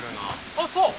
あっそう？